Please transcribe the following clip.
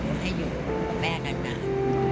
แต่ไม่ให้อยู่กับแม่นานนาน